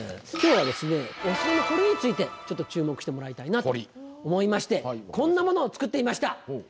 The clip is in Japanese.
今日はですねお城の堀についてちょっと注目してもらいたいなと思いましてこんなものを作ってみました。